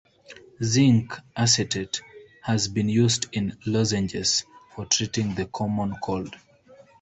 Zinc acetate has been used in lozenges for treating the common cold.